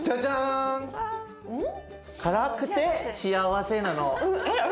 辛くて幸せなの。